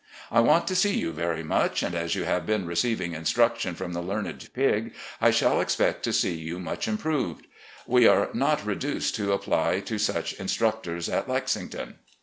I want to see you very much, and as you have been receiving instruction from the learned pig, I shall expect to see you much improved. We are not reduced to apply to such instructors at Lexington.